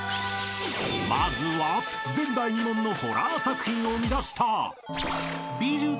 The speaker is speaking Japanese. ［まずは前代未聞のホラー作品を生み出した］